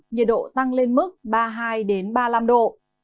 nhiệt độ tăng lên mức ba mươi hai ba mươi năm độ